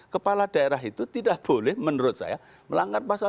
kepala daerah itu tidak boleh menurut saya melanggar pasal satu ratus enam puluh satu